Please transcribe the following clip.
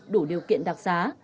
đủ điều kiện đặc giá